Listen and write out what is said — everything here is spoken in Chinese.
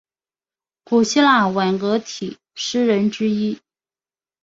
古希腊挽歌体诗人之一。